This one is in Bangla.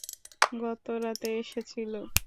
গত রাতেও এসেছিল।